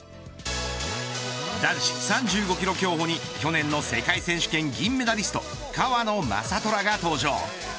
男子３５キロ競歩に去年の世界選手権銀メダリスト川野将虎が登場。